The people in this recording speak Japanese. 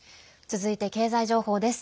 続いて経済情報です。